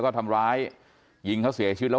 ก็คุณตามมาอยู่กรงกีฬาดครับ